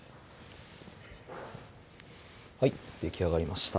はいできあがりました